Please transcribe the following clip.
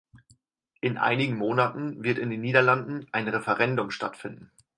In einigen Monaten wird in den Niederlanden ein Referendum stattfinden.